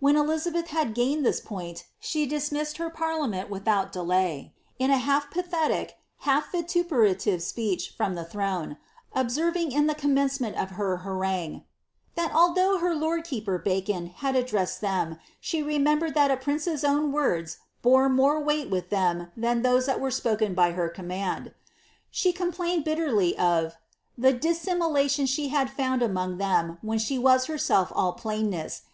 When Elizabeth had gained this point, she dismissed her parliament without delay, in a half pathetic, half vituperative speech from the throne ; observing in the com mencement of her harangue, ^Mhat although her lord keeper (Bacon) had addressed them, she remembered that a prince's own words bore more weight with them than those that were spoken by her command.'^ She complained bitterly of ^^ the dissimulation that she had found among them when she was herself all plainness.